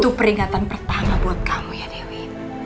itu peringatan pertama buat kamu ya dewi